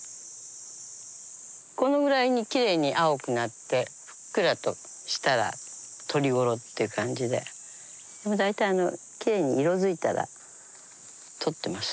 このぐらいにきれいに青くなってふっくらとしたらとり頃って感じで大体きれいに色づいたらとってます。